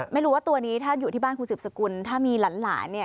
ไม่รู้ว่าตัวนี้ถ้าอยู่ที่บ้านคุณสืบสกุลถ้ามีหลานเนี่ย